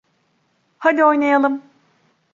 Haydi oynayalım.